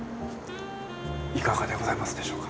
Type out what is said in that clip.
いかがでございますでしょうか？